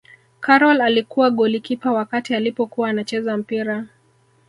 karol alikuwa golikipa wakati alipokuwa anacheza mpira